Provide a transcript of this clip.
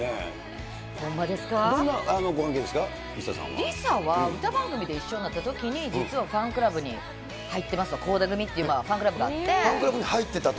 ＬｉＳＡは、歌番組で一緒になったときに、実はファンクラブに入ってました、倖田組ってファファンクラブに入ってたと。